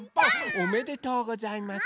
おめでとうございます。